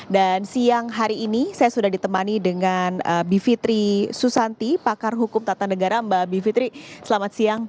dan siang hari ini saya sudah ditemani dengan bivitri susanti pakar hukum tata negara mbak bivitri selamat siang